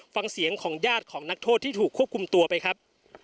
ฟังเสียงของญาติของนักโทษที่ถูกควบคุมตัวไปครับ